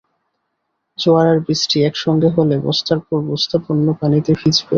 জোয়ার আর বৃষ্টি একসঙ্গে হলে বস্তার পর বস্তা পণ্য পানিতে ভিজবে।